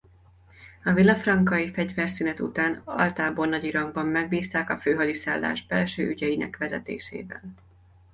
A villafrancai fegyverszünet után altábornagyi rangban megbízták a főhadiszállás belső ügyeinek vezetésével.